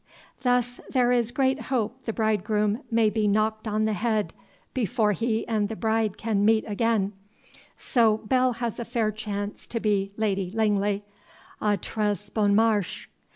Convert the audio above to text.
Thus there is great hope the bridegroom may be knocked on the head before he and the bride can meet again, so Bell has a fair chance to be Lady Langley A TRES BON MARCHE.